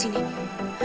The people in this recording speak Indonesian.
tidak punya tuan